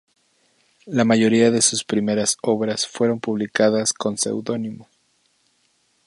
La mayoría de sus primeras obras fueron publicadas con seudónimos.